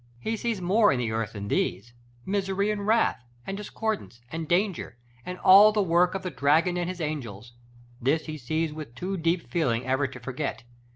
He sees more in the earth than these, misery and wrath, and discordance, and danger, and all the work of the dragon and his angels; this he sees with too deep feeling ever to forget.